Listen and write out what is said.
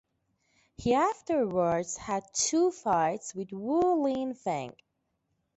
He afterwards had two fights with Wu Lin Feng.